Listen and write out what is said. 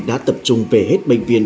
đã tập trung về hết bệnh viện